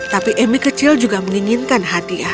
tapi emi kecil juga menginginkan hadiah